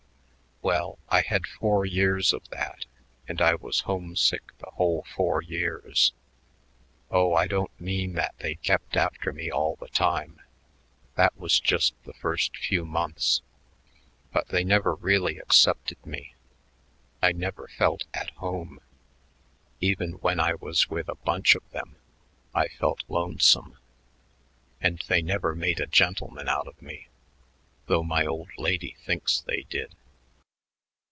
"Well, I had four years of that, and I was homesick the whole four years. Oh, I don't mean that they kept after me all the time that was just the first few months but they never really accepted me. I never felt at home. Even when I was with a bunch of them, I felt lonesome.... And they never made a gentleman out of me, though my old lady thinks they did."